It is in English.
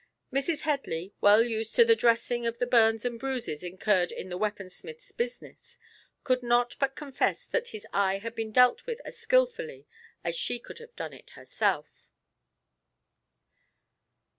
Mrs. Headley, well used to the dressing of the burns and bruises incurred in the weapon smiths' business, could not but confess that his eye had been dealt with as skilfully as she could have done it herself.